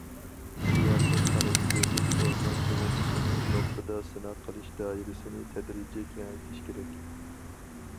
سىياسەت خاراكتېرلىك ئورمان سۇغۇرتىسىنى نۇقتىدا سىناق قىلىش دائىرىسىنى تەدرىجىي كېڭەيتىش كېرەك.